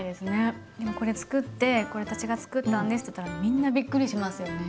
これつくってこれ私がつくったんですって言ったらみんなびっくりしますよね。